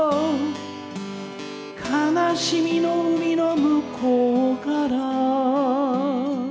「悲しみの海の向こうから」